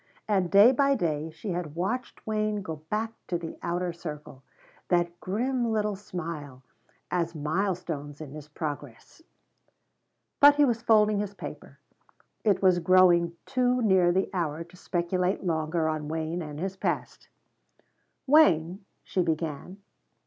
And day by day she had watched Wayne go back to the outer circle, that grim little smile as mile stones in his progress. But he was folding his paper; it was growing too near the hour to speculate longer on Wayne and his past. "Wayne?" she began.